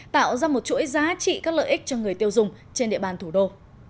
tạo ra một chuỗi giá trị các lợi ích cho người tiêu dùng trên địa bàn thủ đô